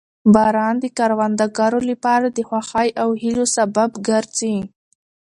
باران د کروندګرو لپاره د خوښۍ او هیلو سبب ګرځي